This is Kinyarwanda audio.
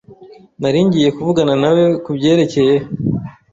Nari ngiye kuvugana nawe kubyerekeye.